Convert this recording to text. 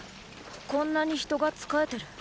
こんなに人が仕えてる。